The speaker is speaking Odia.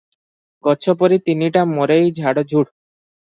ଗଛ ପରି ତିନିଟା ମରେଇ ଝାଡ଼ଝୁଡ଼ ।